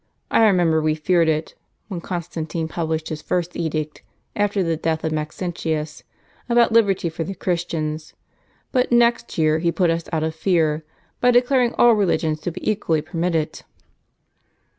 I remember we feared it, when Constantino published his first edict, after the death of Max entius, about liberty for the Christians, but next year he I ^ put us out of fear, by declaring all religions to be equally permitted."